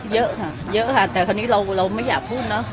เยอะค่ะเยอะค่ะแต่คราวนี้เราไม่อยากพูดเนอะ